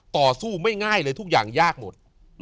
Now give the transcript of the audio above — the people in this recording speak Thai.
ต่อสู้ไม่ง่ายเลยทุกอย่างยากหมด